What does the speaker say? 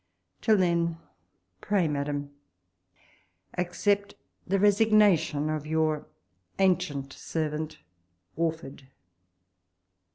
Till then, pray, Madam, accept the resignation of your Ancient Servant Oeford.